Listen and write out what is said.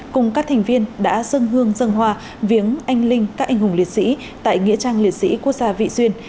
cùng các thành viên đã dân hương dân hoa viếng anh linh các anh hùng liệt sĩ tại nghĩa trang liệt sĩ quốc gia vị xuyên